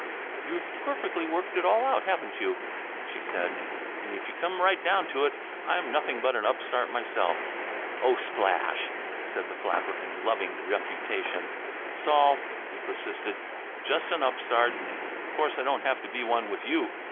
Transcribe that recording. "You've perfectly worked it all out, haven't you?" she said. " and if you come right down to it, I'm nothing but 'n upstart myself." "Oh, splash!" said the flapper, in loving refutation. "'S all," he persisted; "just 'n upstart. Of course I don't have to be one with you.